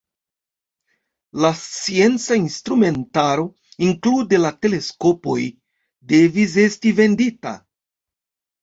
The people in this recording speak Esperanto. La scienca instrumentaro inklude la teleskopoj, devis esti vendita.